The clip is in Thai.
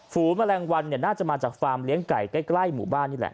แมลงวันเนี่ยน่าจะมาจากฟาร์มเลี้ยงไก่ใกล้หมู่บ้านนี่แหละ